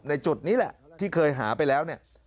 ในจุดนี้แหละที่เคยหาไปแล้ว